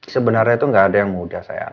sebenarnya tuh nggak ada yang mudah sayang